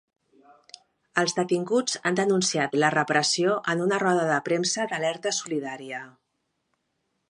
Els detinguts han denunciat la repressió en una roda de premsa d'Alerta Solidària